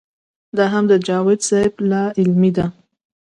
دا هم د جاوېد صېب لا علمي ده